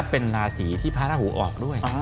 เป็นราศีที่พระราหูออกด้วย